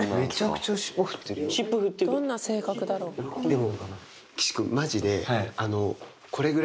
でも。